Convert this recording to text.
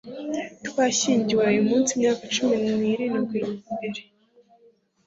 twashyingiwe uyumunsi imyaka cumi nirindwi mbere